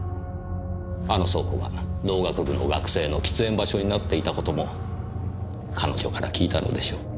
あの倉庫が農学部の学生の喫煙場所になっていたことも彼女から聞いたのでしょう。